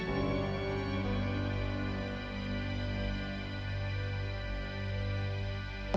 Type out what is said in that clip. saya juga nggak terlalu nggak menyadari